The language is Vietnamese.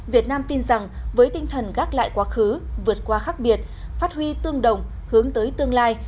việt nam tin rằng với tinh thần gác lại quá khứ vượt qua khác biệt phát huy tương đồng hướng tới tương lai